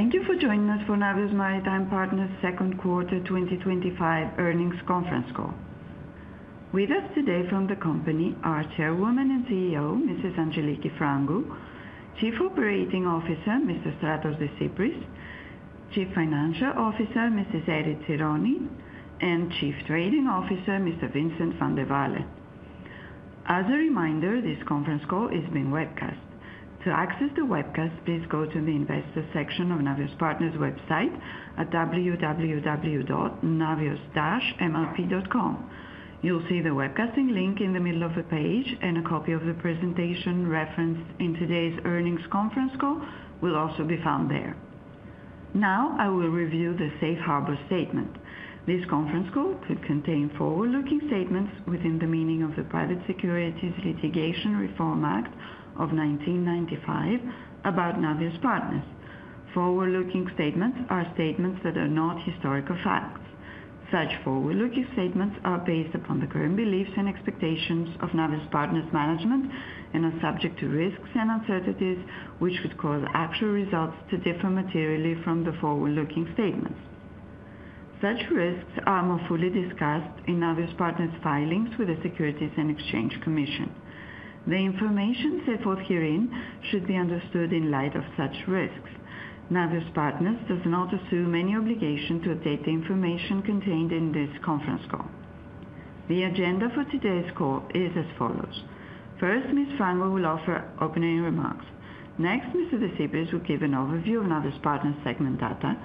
Thank you for joining us for Navios Maritime Partners' Second Quarter 2025 Earnings Conference Call. With us today from the company are Chairwoman and CEO, Mrs. Angeliki Frangou, Chief Operating Officer, Mr. Efstratios Desypris, Chief Financial Officer, Ms. Erifili Tsironi, and Chief Trading Officer, Mr. Vincent Vandewalle. As a reminder, this conference call is being webcast. To access the webcast, please go to the Investor section of Navios Maritime Partners' website at www.navios-mlp.com. You'll see the webcasting link in the middle of the page, and a copy of the presentation referenced in today's earnings conference call will also be found there. Now, I will review the Safe Harbor Statement. This conference call contains forward-looking statements within the meaning of the Private Securities Litigation Reform Act of 1995 about Navios Partners. Forward-looking statements are statements that are not historical facts. Such forward-looking statements are based upon the current beliefs and expectations of Navios Partners' management and are subject to risks and uncertainties, which could cause actual results to differ materially from the forward-looking statements. Such risks are more fully discussed in Navios Partners' filings with the Securities and Exchange Commission. The information set forth herein should be understood in light of such risks. Navios Partners does not assume any obligation to update the information contained in this conference call. The agenda for today's call is as follows: First, Ms. Frangou will offer opening remarks. Next, Mr. Desypris will give an overview of Navios Partners' segment data.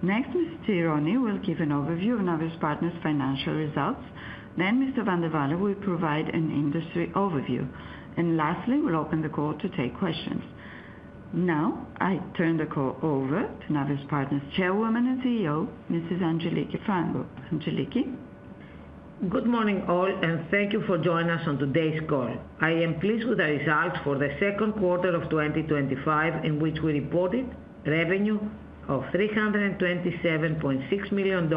Next, Ms. Tsironi will give an overview of Navios Partners' financial results. Mr. Vandewalle will provide an industry overview. Lastly, we'll open the call to take questions. Now, I turn the call over to Navios Partners' Chairwoman and CEO, Mrs. Angeliki Frangou. Angeliki? Good morning all, and thank you for joining us on today's call. I am pleased with the results for the second quarter of 2025, in which we reported revenue of $327.6 million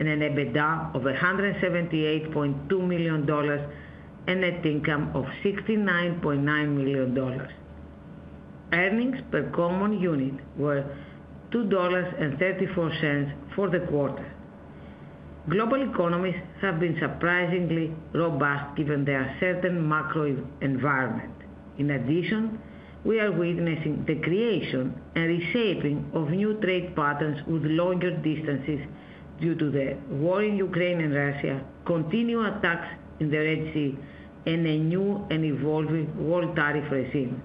and an EBITDA of $178.2 million and a net income of $69.9 million. Earnings per common unit were $2.34 for the quarter. Global economies have been surprisingly robust given the uncertain macro environment. In addition, we are witnessing the creation and reshaping of new trade patterns with longer distances due to the war in Ukraine and Russia, continual attacks in the Red Sea, and a new and evolving world tariff regime.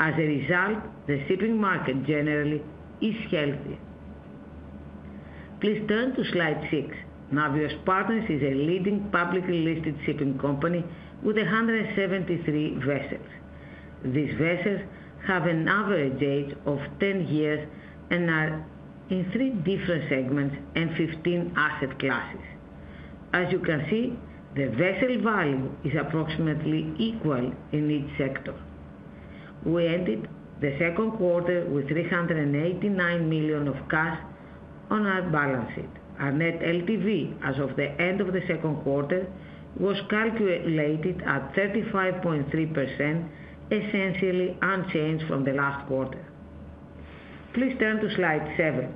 As a result, the shipping market generally is healthy. Please turn to slide six. Navios Partners is a leading publicly listed shipping company with 173 vessels. These vessels have an average age of 10 years and are in three different segments and 15 asset classes. As you can see, the vessel volume is approximately equal in each sector. We ended the second quarter with $389 million of cash on our balance sheet. Our net LTV as of the end of the second quarter was calculated at 35.3%, essentially unchanged from the last quarter. Please turn to slide seven.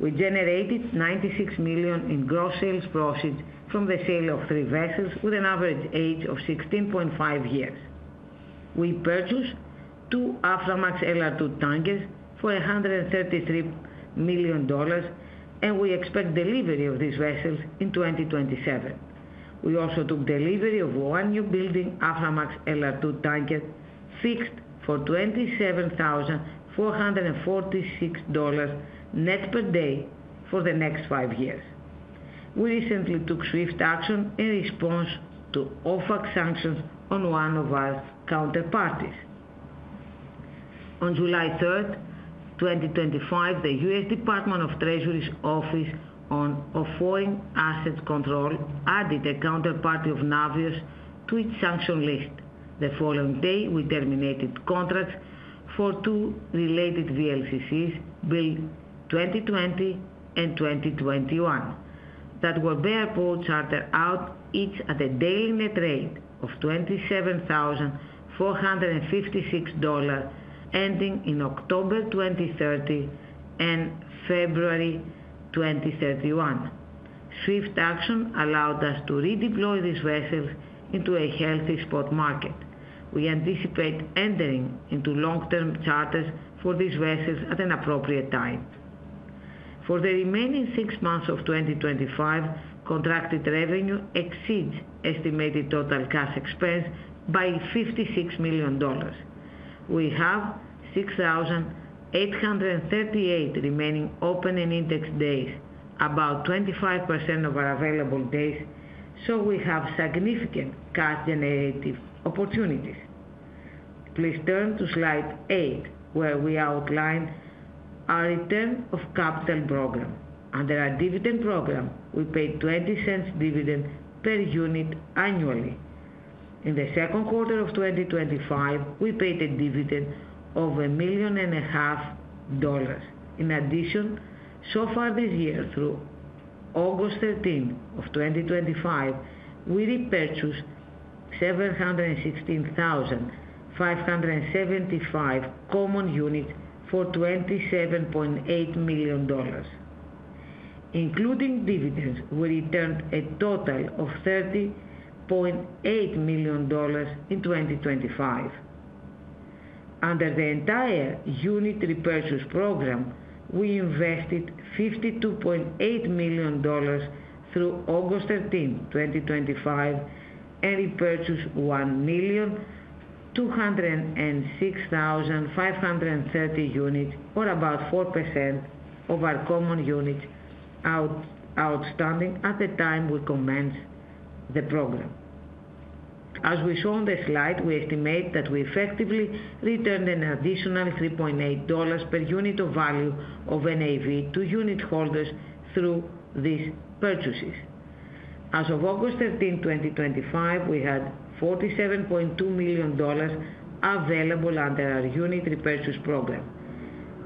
We generated $96 million in gross sales profits from the sale of three vessels with an average age of 16.5 years. We purchased two Aframax LR2 tankers for $133 million, and we expect delivery of these vessels in 2027. We also took delivery of one new building Aframax LR2 tanker fixed for $27,446 net per day for the next five years. We recently took swift action in response to OFAC sanctions on one of our counterparties. On July 3rd, 2025, the U.S. Department of Treasury's Office of Foreign Assets Control added a counterparty of Navios to its sanction list. The following day, we terminated contracts for two related VLCCs, built 2020 and 2021, that were bare boat chartered out, each at a daily net rate of $27,456, ending in October 2030 and February 2031. Swift action allowed us to redeploy these vessels into a healthy spot market. We anticipate entering into long-term charters for these vessels at an appropriate time. For the remaining six months of 2025, contracted revenue exceeds estimated total cash expense by $56 million. We have 6,838 remaining open and indexed days, about 25% of our available days, so we have significant cash-generating opportunities. Please turn to slide eight, where we outline our return of capital program. Under our dividend program, we paid $0.20 dividend per unit annually. In the second quarter of 2025, we paid a dividend of $1.5 million. In addition, so far this year, through August 13th, 2025, we repurchased 716,575 common units for $27.8 million. Including dividends, we returned a total of $30.8 million in 2025. Under the entire unit repurchase program, we invested $52.8 million through August 13th, 2025, and repurchased 1,206,530 units, or about 4% of our common units outstanding at the time we commenced the program. As we saw on the slide, we estimate that we effectively returned an additional $3.8 per unit of value of NAV to unitholders through these purchases. As of August 13th, 2025, we had $47.2 million available under our unit repurchase program.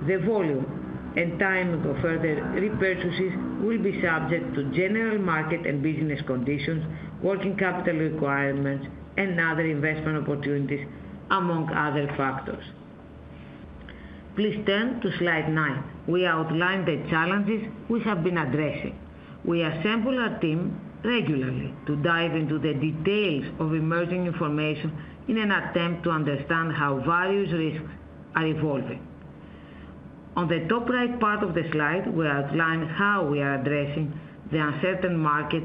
The volume and timing of further repurchases will be subject to general market and business conditions, working capital requirements, and other investment opportunities, among other factors. Please turn to slide nine. We outline the challenges we have been addressing. We assemble our team regularly to dive into the details of emerging information in an attempt to understand how various risks are evolving. On the top right part of the slide, we outline how we are addressing the uncertain market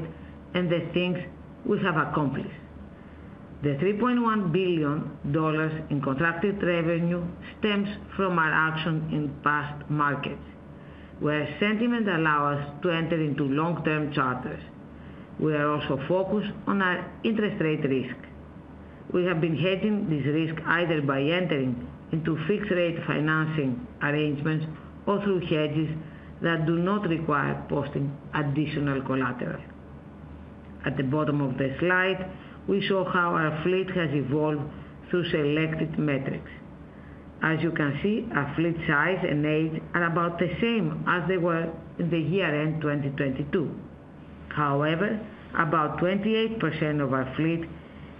and the things we have accomplished. The $3.1 billion in contracted revenue stems from our action in past markets, where sentiment allowed us to enter into long-term charters. We are also focused on our interest rate risk. We have been hedging this risk either by entering into fixed-rate financing arrangements or through hedges that do not require posting additional collateral. At the bottom of the slide, we saw how our fleet has evolved through selected metrics. As you can see, our fleet size and age are about the same as they were in the year-end 2022. However, about 28% of our fleet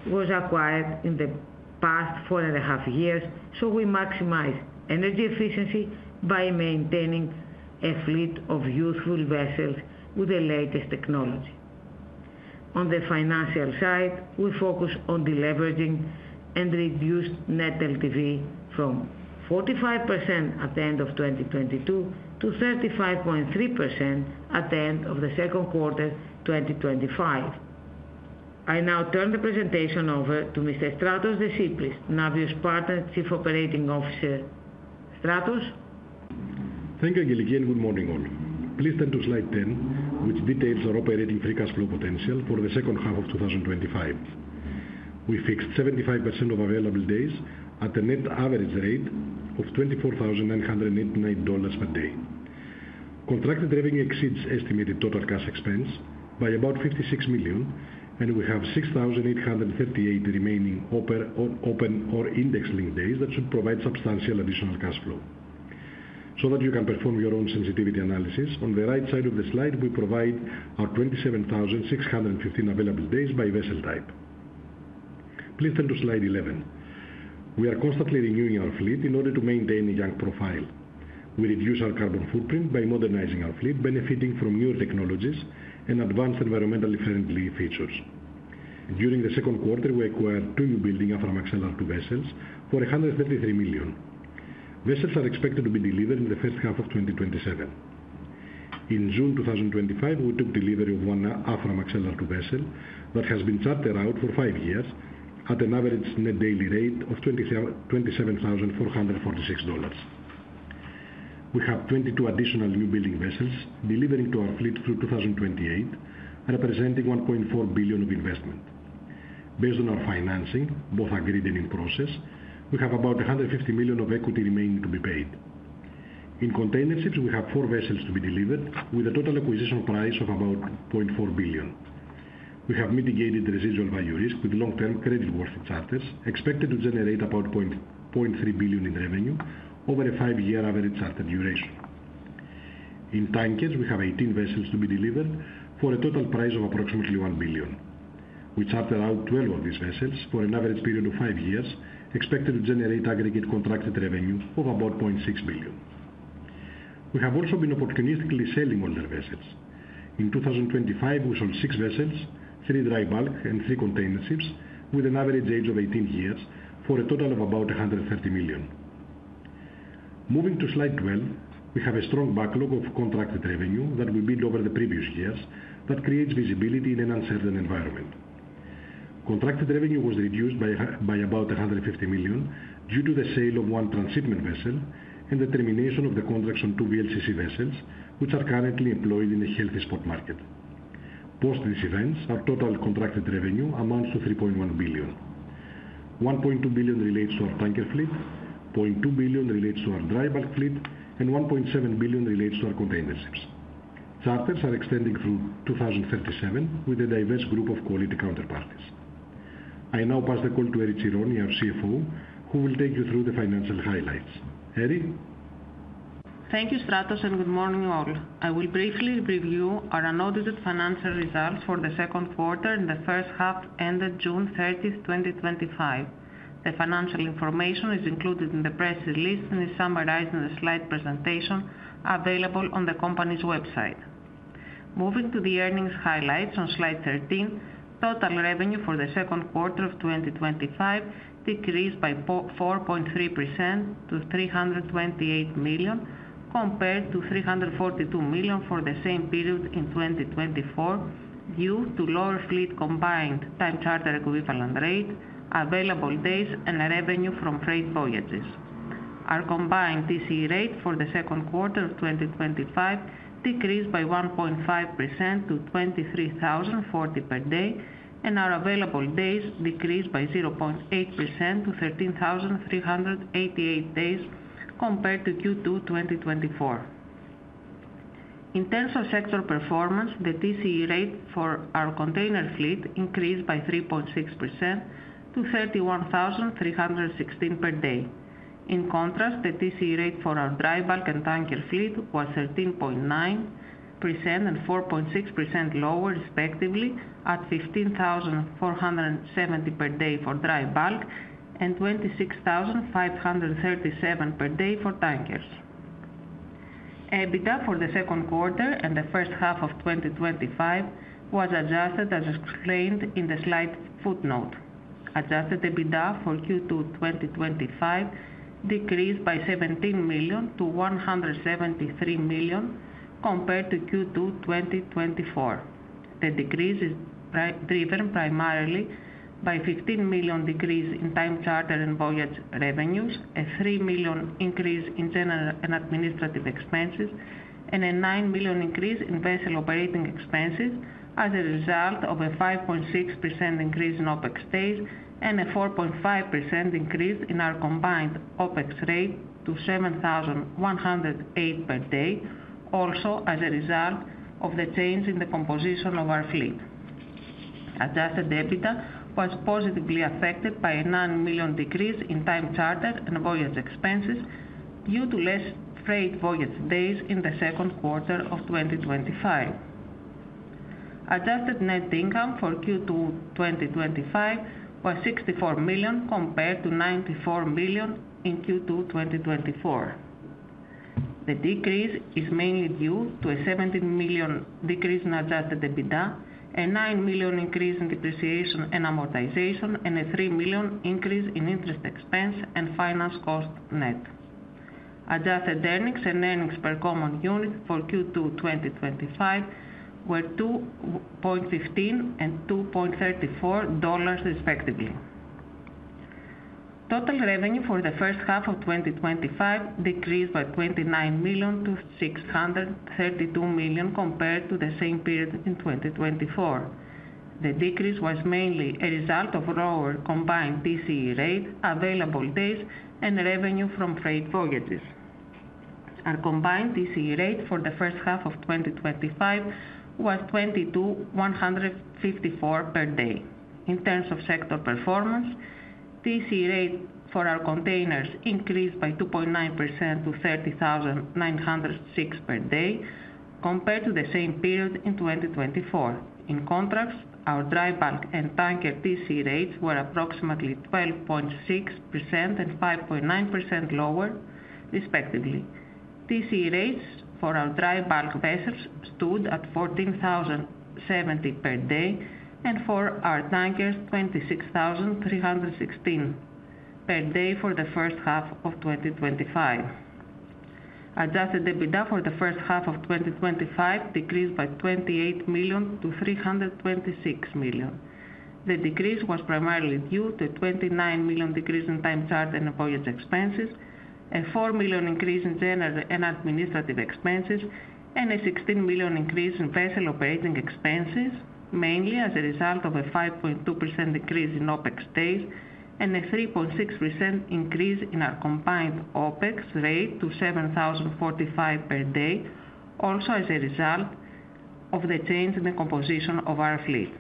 was acquired in the past four and a half years, so we maximized energy efficiency by maintaining a fleet of youthful vessels with the latest technology. On the financial side, we focus on deleveraging and reduced net LTV from 45% at the end of 2022 to 35.3% at the end of the second quarter 2025. I now turn the presentation over to Mr. Efstratios Desypris, Navios Partners' Chief Operating Officer. Efstratios? Thank you, Angeliki, and good morning all. Please turn to slide 10, which details our operating free cash flow potential for the second half of 2025. We fixed 75% of available days at a net average rate of $24,989 per day. Contracted revenue exceeds estimated total cash expense by about $56 million, and we have 6,838 remaining open or index-linked days that should provide substantial additional cash flow. That you can perform your own sensitivity analysis, on the right side of the slide, we provide our 27,615 available days by vessel type. Please turn to slide 11. We are constantly renewing our fleet in order to maintain a young profile. We reduce our carbon footprint by modernizing our fleet, benefiting from newer technologies and advanced environmentally friendly features. During the second quarter, we acquired two new building Aframax LR2 vessels for $133 million. Vessels are expected to be delivered in the first half of 2027. In June 2025, we took delivery of one Aframax LR2 vessel that has been chartered out for five years at an average net daily rate of $27,446. We have 22 additional new building vessels delivering to our fleet through 2028, representing $1.4 billion of investment. Based on our financing, both agreed and in process, we have about $150 million of equity remaining to be paid. In containerships, we have four vessels to be delivered with a total acquisition price of about $0.4 billion. We have mitigated residual value risk with long-term creditworthy charters, expected to generate about $0.3 billion in revenue over a five-year average charter duration. In tankers, we have 18 vessels to be delivered for a total price of approximately $1 billion. We charter out 12 of these vessels for an average period of five years, expected to generate aggregate contracted revenue of about $0.6 billion. We have also been opportunistically selling older vessels. In 2025, we sold six vessels, three dry bulk and three containerships with an average age of 18 years for a total of about $130 million. Moving to slide 12, we have a strong backlog of contracted revenue that we built over the previous years that creates visibility in an uncertain environment. Contracted revenue was reduced by about $150 million due to the sale of one transshipment vessel and the termination of the contracts on two VLCCs, which are currently employed in a healthy spot market. Post this event, our total contracted revenue amounts to $3.1 billion. $1.2 billion relates to our tanker fleet, $0.2 billion relates to our dry bulk fleet, and $1.7 billion relates to our containerships. Charters are extending through 2037 with a diverse group of quality counterparties. I now pass the call to Erifili Tsironi, our CFO, who will take you through the financial highlights. Eri? Thank you, Efstratios, and good morning all. I will briefly review our unaudited financial results for the second quarter and the first half ended June 30th, 2025. The financial information is included in the press release and is summarized in the slide presentation available on the company's website. Moving to the earnings highlights on slide 13, total revenue for the second quarter of 2025 decreased by 4.3% to $328 million, compared to $342 million for the same period in 2024, due to lower fleet combined time charter equivalent rate, available days, and revenue from freight voyages. Our combined TCE rate for the second quarter of 2025 decreased by 1.5% to $23,040 per day, and our available days decreased by 0.8% to 13,388 days compared to Q2 2024. In terms of sector performance, the TCE rate for our container fleet increased by 3.6% to $31,316 per day. In contrast, the TCE rate for our dry bulk and tanker fleet was 13.9% and 4.6% lower, respectively, at $15,470 per day for dry bulk and $26,537 per day for tankers. EBITDA for the second quarter and the first half of 2025 was adjusted as explained in the slide footnote. Adjusted EBITDA for Q2 2025 decreased by $17 million to $173 million compared to Q2 2024. The decrease is driven primarily by a $15 million decrease in time charter and voyage revenues, a $3 million increase in general and administrative expenses, and a $9 million increase in vessel operating expenses as a result of a 5.6% increase in OpEx days and a 4.5% increase in our combined OpEx rate to $7,108 per day, also as a result of the change in the composition of our fleet. Adjusted EBITDA was positively affected by a $9 million decrease in time charter and voyage expenses due to less freight voyage days in the second quarter of 2025. Adjusted net income for Q2 2025 was $64 million compared to $94 million in Q2 2024. The decrease is mainly due to a $17 million decrease in adjusted EBITDA, a $9 million increase in depreciation and amortization, and a $3 million increase in interest expense and finance cost net. Adjusted earnings and earnings per common unit for Q2 2025 were $2.15 and $2.34 respectively. Total revenue for the first half of 2025 decreased by $29 million to $632 million compared to the same period in 2024. The decrease was mainly a result of lower combined TCE rate, available days, and revenue from freight voyages. Our combined TCE rate for the first half of 2025 was $22,154 per day. In terms of sector performance, TCE rate for our containerships increased by 2.9% to $30,906 per day compared to the same period in 2024. In contrast, our dry bulk and tanker TCE rates were approximately 12.6% and 5.9% lower, respectively. TCE rates for our dry bulk vessels stood at $14,070 per day and for our tankers, $26,316 per day for the first half of 2025. Adjusted EBITDA for the first half of 2025 decreased by $28 million to $326 million. The decrease was primarily due to a $29 million decrease in time charter and voyage revenues, a $4 million increase in general and administrative expenses, and a $16 million increase in vessel operating expenses, mainly as a result of a 5.2% decrease in OpEx days and a 3.6% increase in our combined OpEx rate to $7,045 per day, also as a result of the change in the composition of our fleet.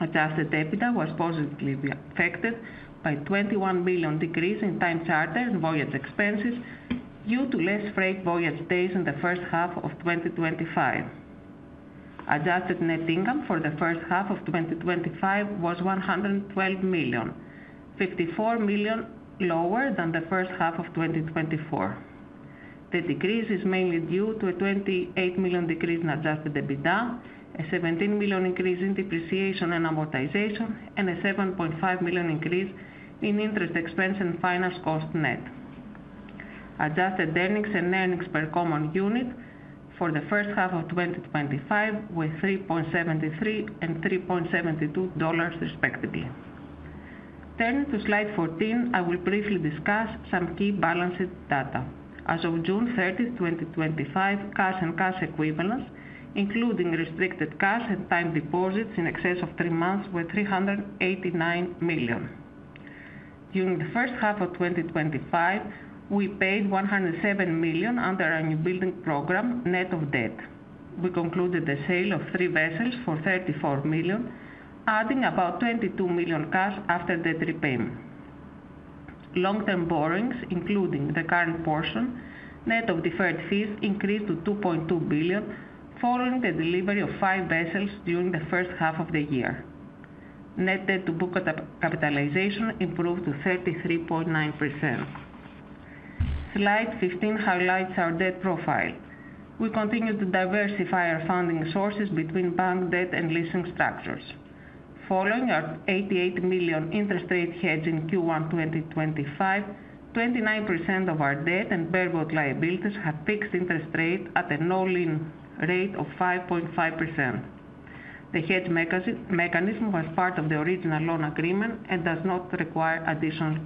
Adjusted EBITDA was positively affected by a $21 million decrease in time charter and voyage expenses due to less freight voyage days in the first half of 2025. Adjusted net income for the first half of 2025 was $112 million, $54 million lower than the first half of 2024. The decrease is mainly due to a $28 million decrease in adjusted EBITDA, a $17 million increase in depreciation and amortization, and a $7.5 million increase in interest expense and finance cost net. Adjusted earnings and earnings per common unit for the first half of 2025 were $3.73 and $3.72, respectively. Turning to slide 14, I will briefly discuss some key balance sheet data. As of June 30th, 2025, cash and cash equivalents, including restricted cash and time deposits in excess of three months, were $389 million. During the first half of 2025, we paid $107 million under our new building program net of debt. We concluded the sale of three vessels for $34 million, adding about $22 million cash after debt repayment. Long-term borrowings, including the current portion net of deferred fees, increased to $2.2 billion following the delivery of five vessels during the first half of the year. Net debt to book capitalization improved to 33.9%. Slide 15 highlights our debt profile. We continued to diversify our funding sources between bank debt and leasing structures. Following our $88 million interest rate hedge in Q1 2025, 29% of our debt and bareboat liabilities have fixed interest rate at a nominal rate of 5.5%. The hedge mechanism was part of the original loan agreement and does not require additional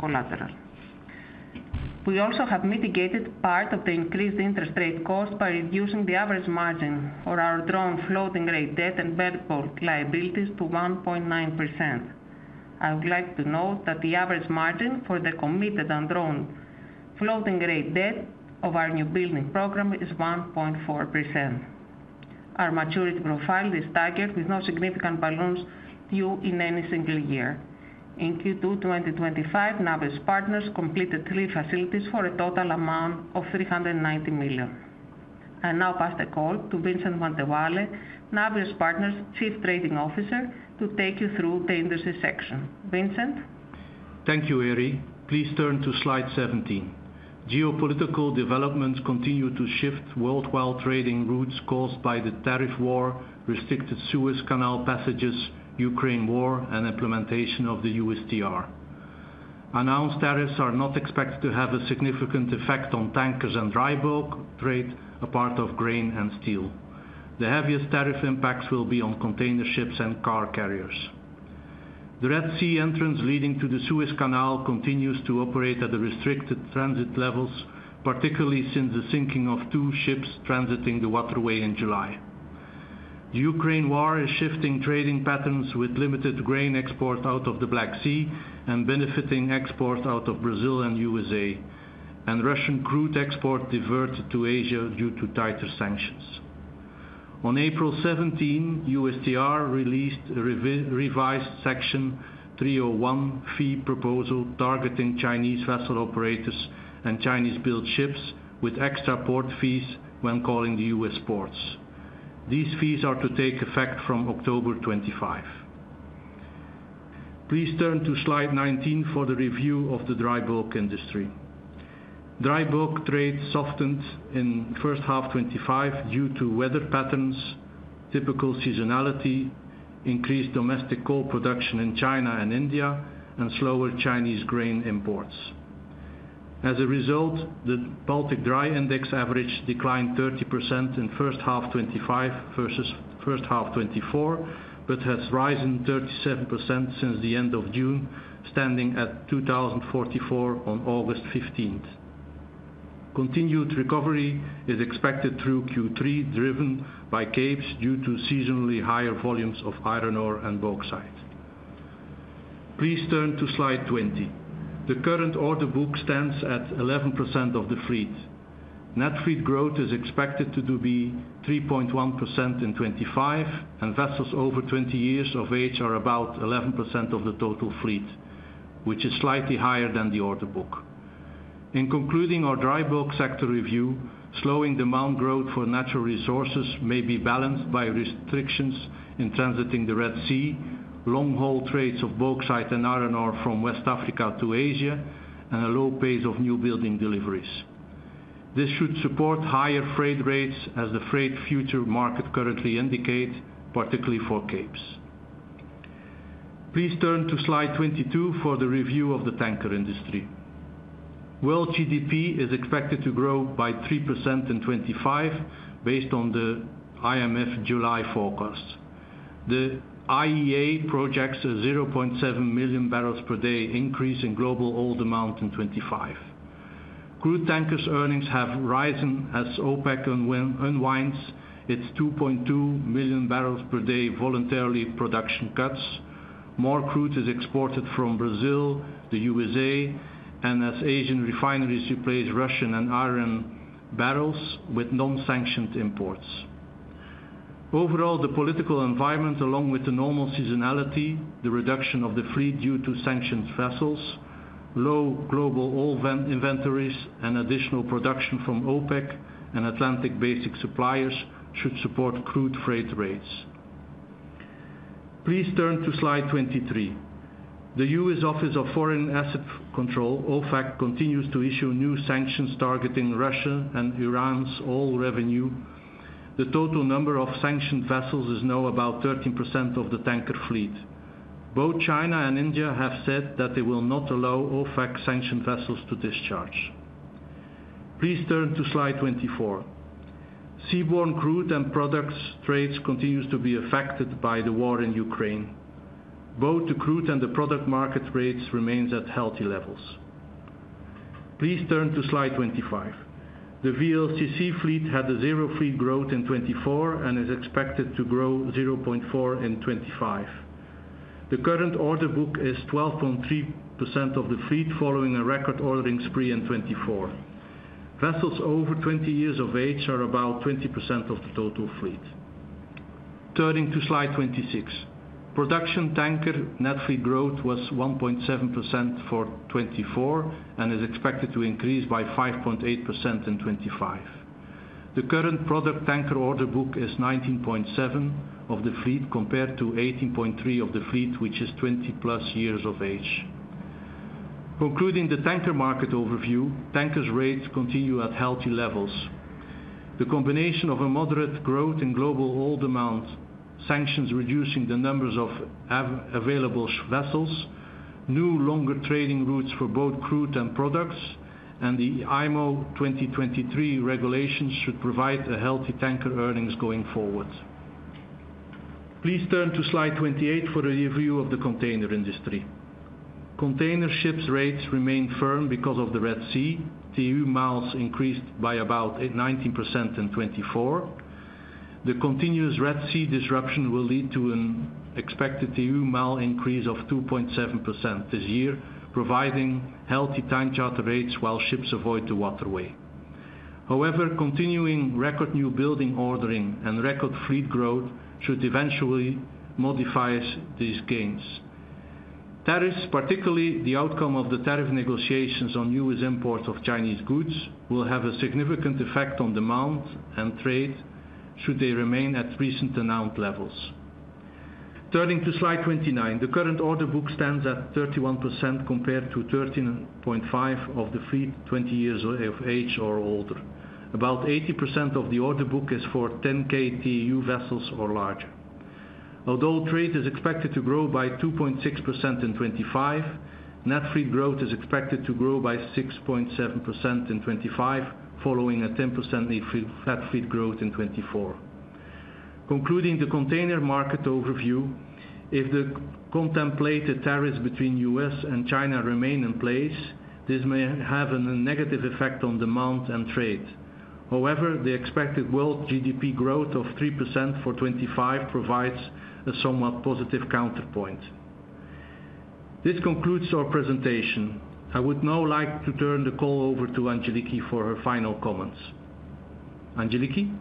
collateral. We also have mitigated part of the increased interest rate cost by reducing the average margin on our drawn floating rate debt and bare boat liabilities to 1.9%. I would like to note that the average margin for the committed and drawn floating rate debt of our new building program is 1.4%. Our maturity profile is staggered, with no significant balloons due in any single year. In Q2 2025, Navios Partners completed three facilities for a total amount of $390 million. I now pass the call to Vincent Vandewalle, Navios Partners' Chief Trading Officer, to take you through the industry section. Vincent? Thank you, Eri. Please turn to slide 17. Geopolitical developments continue to shift worldwide trading routes caused by the tariff war, restricted Suez Canal passages, Ukraine War, and implementation of the USTR. Unannounced tariffs are not expected to have a significant effect on tankers and dry bulk trade, apart from grain and steel. The heaviest tariff impacts will be on containerships and car carriers. The Red Sea entrance leading to the Suez Canal continues to operate at the restricted transit levels, particularly since the sinking of two ships transiting the waterway in July. The Ukraine War is shifting trading patterns with limited grain exports out of the Black Sea and benefiting exports out of Brazil and U.S.A, and Russian crude exports diverted to Asia due to tighter sanctions. On April 17, USTR released a revised Section 301 fee proposal targeting Chinese vessel operators and Chinese-built ships with extra port fees when calling the U.S. ports. These fees are to take effect from October 25. Please turn to slide 19 for the review of the dry bulk industry. Dry bulk trade softened in the first half of 2025 due to weather patterns, typical seasonality, increased domestic coal production in China and India, and slower Chinese grain imports. As a result, the Baltic Dry Index average declined 30% in the first half of 2025 versus the first half of 2024, but has risen 37% since the end of June, standing at $2,044 on August 15th. Continued recovery is expected through Q3, driven by Capes due to seasonally higher volumes of iron ore and bauxite. Please turn to slide 20. The current order book stands at 11% of the fleet. Net fleet growth is expected to be 3.1% in 2025, and vessels over 20 years of age are about 11% of the total fleet, which is slightly higher than the order book. In concluding our dry bulk sector review, slowing demand growth for natural resources may be balanced by restrictions in transiting the Red Sea, long-haul trades of bauxite and iron ore from West Africa to Asia, and a low pace of new building deliveries. This should support higher freight rates as the freight future market currently indicates, particularly for Capes. Please turn to slide 22 for the review of the tanker industry. World GDP is expected to grow by 3% in 2025 based on the IMF July forecast. The IEA projects a 0.7 million barrels per day increase in global oil demand in 2025. Crude tankers' earnings have risen as OPEC unwinds its 2.2 million barrels per day voluntary production cuts. More crude is exported from Brazil, the U.S.A., and as Asian refineries replace Russian and Iran barrels with non-sanctioned imports. Overall, the political environment, along with the normal seasonality, the reduction of the fleet due to sanctioned vessels, low global oil inventories, and additional production from OPEC and Atlantic Basin Suppliers should support crude freight rates. Please turn to slide 23. The U.S. Office of Foreign Assets Control, OFAC, continues to issue new sanctions targeting Russia and Iran's oil revenue. The total number of sanctioned vessels is now about 13% of the tanker fleet. Both China and India have said that they will not allow OFAC-sanctioned vessels to discharge. Please turn to slide 24. Seaborne crude and products trade continues to be affected by the war in Ukraine. Both the crude and the product market rates remain at healthy levels. Please turn to slide 25. The VLCC fleet had a zero fleet growth in 2024 and is expected to grow 0.4% in 2025. The current order book is 12.3% of the fleet following a record ordering spree in 2024. Vessels over 20 years of age are about 20% of the total fleet. Turning to slide 26. Product tanker net fleet growth was 1.7% for 2024 and is expected to increase by 5.8% in 2025. The current product tanker order book is 19.7% of the fleet compared to 18.3% of the fleet, which is 20+ years of age. Concluding the tanker market overview, tankers' rates continue at healthy levels. The combination of a moderate growth in global oil demand, sanctions reducing the numbers of available vessels, new longer trading routes for both crude and products, and the IMO 2023 regulations should provide a healthy tanker earnings going forward. Please turn to slide 28 for the review of the container industry. Containerships' rates remain firm because of the Red Sea TEU miles increased by about 19% in 2024. The continuous Red Sea disruption will lead to an expected TEU mile increase of 2.7% this year, providing healthy time charter rates while ships avoid the waterway. However, continuing record newbuilding ordering and record fleet growth should eventually modify these gains. Tariffs, particularly the outcome of the tariff negotiations on U.S. imports of Chinese goods, will have a significant effect on demand and trade should they remain at recent unannounced levels. Turning to slide 29, the current order book stands at 31% compared to 13.5% of the fleet 20 years of age or older. About 80% of the order book is for 10,000 TEU vessels or larger. Although trade is expected to grow by 2.6% in 2025, net fleet growth is expected to grow by 6.7% in 2025 following a 10% net fleet growth in 2024. Concluding the container market overview, if the contemplated tariffs between the U.S. and China remain in place, this may have a negative effect on demand and trade. However, the expected world GDP growth of 3% for 2025 provides a somewhat positive counterpoint. This concludes our presentation. I would now like to turn the call over to Angeliki for her final comments. Angeliki?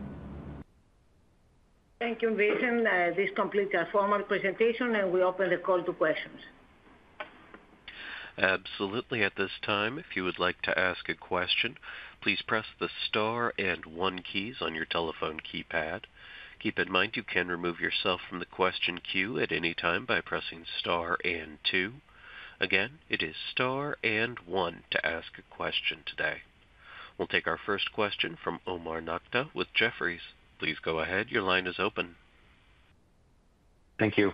Thank you, Vincent. This completes our formal presentation, and we open the call to questions. Absolutely. At this time, if you would like to ask a question, please press the star and one keys on your telephone keypad. Keep in mind you can remove yourself from the question queue at any time by pressing star and two. Again, it is star and one to ask a question today. We'll take our first question from Omar Nokta with Jefferies. Please go ahead, your line is open. Thank you.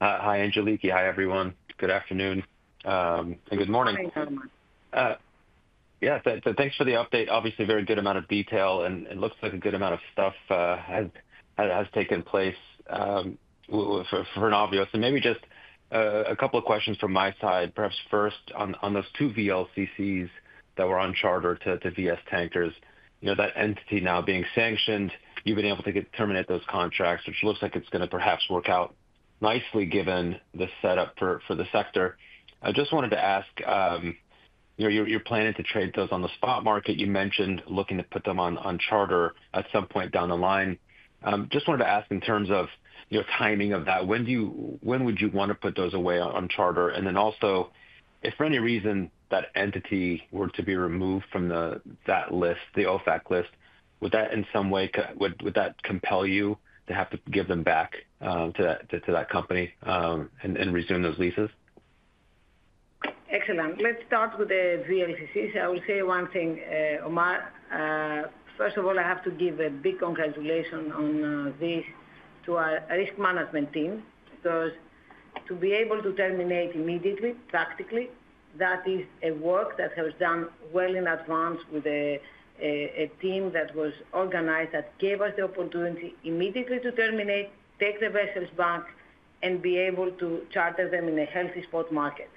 Hi, Angeliki. Hi, everyone. Good afternoon and good morning. Hi, Omar. Yeah, thanks for the update. Obviously, a very good amount of detail, and it looks like a good amount of stuff has taken place for Navios, and maybe just a couple of questions from my side, perhaps first on those two VLCCs that were on charter to VS Tankers. You know, that entity now being sanctioned, you've been able to terminate those contracts, which looks like it's going to perhaps work out nicely given the setup for the sector. I just wanted to ask, you know, you're planning to trade those on the spot market. You mentioned looking to put them on charter at some point down the line. Just wanted to ask in terms of your timing of that, when would you want to put those away on charter? Also, if for any reason that entity were to be removed from that list, the OFAC list, would that in some way compel you to have to give them back to that company and resume those leases? Excellent. Let's start with the VLCCs. I will say one thing, Omar. First of all, I have to give a big congratulations on this to our risk management team because to be able to terminate immediately, practically, that is a work that was done well in advance with a team that was organized that gave us the opportunity immediately to terminate, take the vessels back, and be able to charter them in a healthy spot market.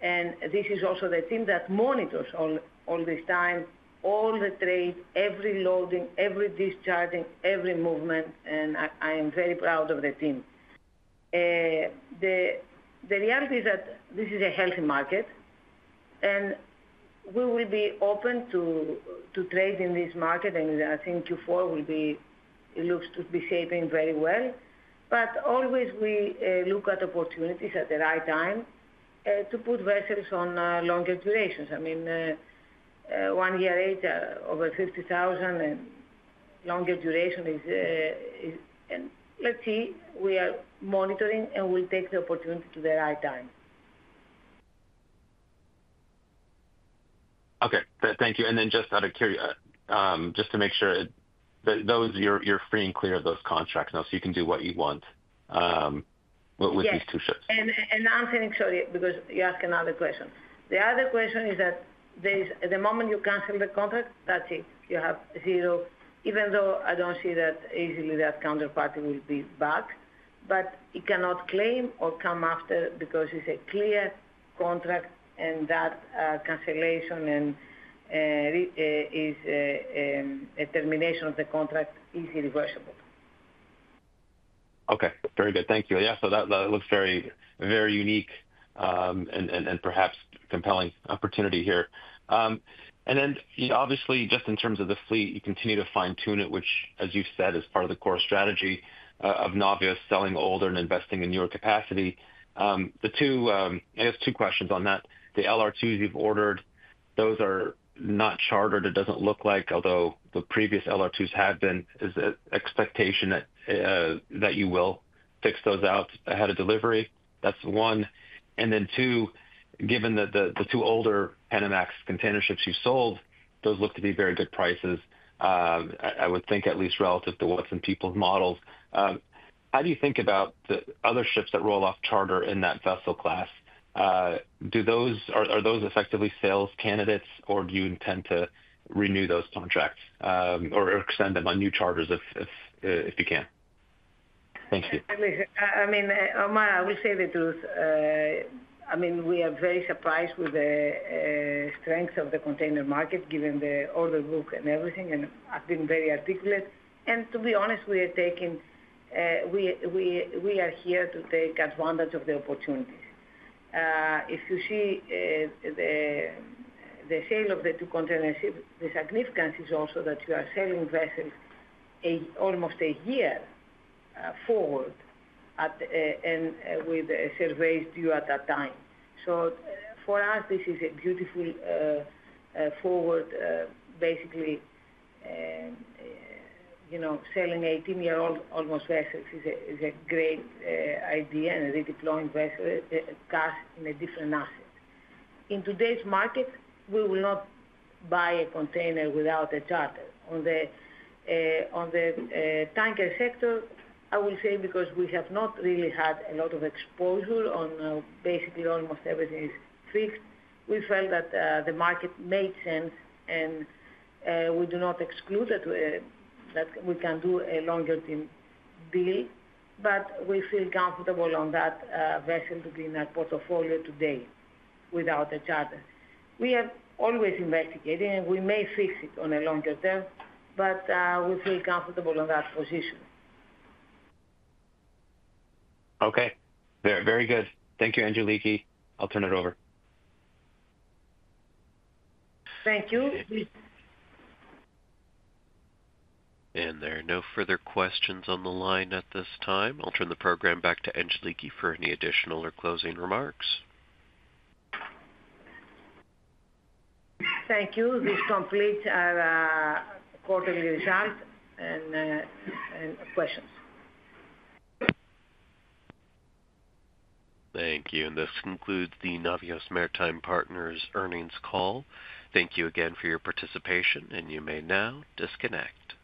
This is also the team that monitors all this time, all the trade, every loading, every discharging, every movement, and I am very proud of the team. The reality is that this is a healthy market, and we will be open to trade in this market. I think Q4 will be, it looks to be shaping very well. We always look at opportunities at the right time to put vessels on longer durations. I mean, one year age, over $50,000, and longer duration is, and let's see, we are monitoring and we'll take the opportunity at the right time. Okay, thank you. Just out of curiosity, just to make sure that you're free and clear of those contracts now, so you can do what you want with these two ships. I'm saying, sorry, because you asked another question. The other question is that at the moment you cancel the contract, that's it. You have zero, even though I don't see that easily that counterparty will be back, but it cannot claim or come after because it's a clear contract, and that cancellation and a termination of the contract is irreversible. Okay, very good. Thank you. Yeah, so that looks very, very unique and perhaps compelling opportunity here. Obviously, just in terms of the fleet, you continue to fine-tune it, which, as you've said, is part of the core strategy of Navios selling older and investing in newer capacity. The two, I guess, two questions on that. The LR2s you've ordered, those are not chartered, it doesn't look like, although the previous LR2s had been. Is the expectation that you will fix those out ahead of delivery? That's one. Given the two older Panamax containerships you sold, those look to be very good prices, I would think, at least relative to what's in people's models. How do you think about the other ships that roll off charter in that vessel class? Do those, are those effectively sales candidates, or do you intend to renew those contracts or extend them on new charters if you can? Thank you. Omar, I will say that we are very surprised with the strength of the container market given the order book and everything, and I've been very articulate. To be honest, we are here to take advantage of the opportunities. If you see the sale of the two containerships, the significance is also that you are selling vessels almost a year forward and with surveys due at that time. For us, this is a beautiful forward, basically, you know, selling 18-year-old almost vessels is a great idea and redeploying vessel cash in a different asset. In today's market, we will not buy a container without a charter. On the tanker sector, I will say because we have not really had a lot of exposure on basically almost everything is fixed, we felt that the market made sense and we do not exclude that we can do a longer-term deal, but we feel comfortable on that vessel to be in our portfolio today without a charter. We have always investigated and we may fix it on a longer term, but we feel comfortable on that position. Okay, very good. Thank you, Angeliki. I'll turn it over. Thank you. There are no further questions on the line at this time. I'll turn the program back to Angeliki for any additional or closing remarks. Thank you. This completes our quarterly results and questions. Thank you. This concludes the Navios Maritime Partners' earnings call. Thank you again for your participation, and you may now disconnect.